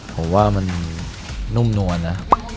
ผมว่ามันนุ่มนวลนะ